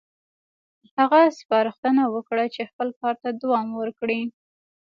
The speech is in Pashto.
هغه سپارښتنه وکړه چې خپل کار ته دوام ورکړي.